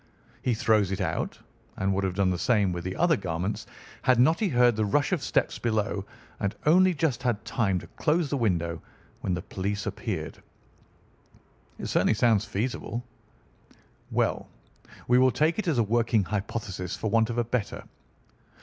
He throws it out, and would have done the same with the other garments had not he heard the rush of steps below, and only just had time to close the window when the police appeared." "It certainly sounds feasible." "Well, we will take it as a working hypothesis for want of a better.